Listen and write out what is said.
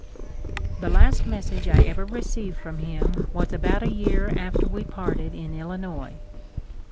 " The last message I ever received from him was about a year after we parted in Illinois.